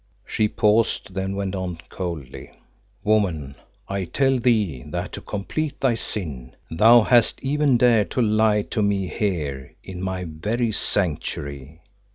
She paused, then went on coldly: "Woman, I tell thee that, to complete thy sin, thou hast even dared to lie to me here, in my very Sanctuary."